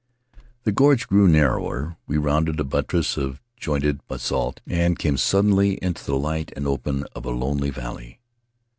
The gorge grew narrower; we rounded a buttress of jointed basalt and came suddenly into the light and open of a lonely valley.